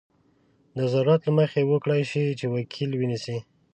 د ضرورت له مخې وکړای شي چې وکیل ونیسي.